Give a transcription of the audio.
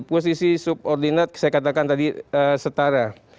posisi subordinat saya katakan tadi setara